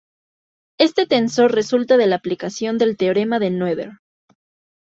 Este tensor resulta de la aplicación del teorema de Noether.